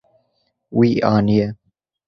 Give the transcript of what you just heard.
Wî aniye.